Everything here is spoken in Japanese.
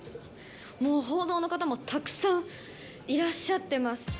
もう報道の方もたくさんいらっしゃってます。